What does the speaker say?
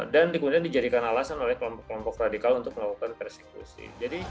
dan kemudian dijadikan alasan oleh kelompok kelompok radikal untuk melakukan persekusi